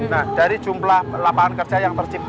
nah dari jumlah lapangan kerja yang tercipta